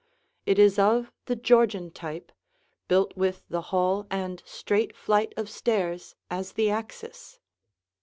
It is of the Georgian type, built with the hall and straight flight of stairs as the axis.